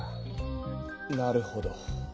なるほど。